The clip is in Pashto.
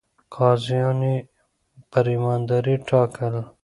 قاضيان يې پر ايماندارۍ ټاکل.